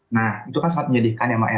nah itu kan sangat menjadikan ya mak